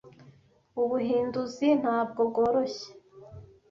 Ubuhinduzi ntabwo bworoshye.